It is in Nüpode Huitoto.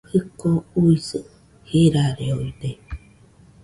Jɨko uisɨ jirareoide